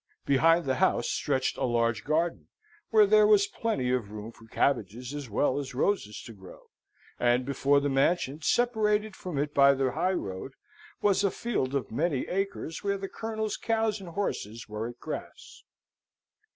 Behind the house stretched a large garden, where there was plenty of room for cabbages as well as roses to grow; and before the mansion, separated from it by the highroad, was a field of many acres, where the Colonel's cows and horses were at grass.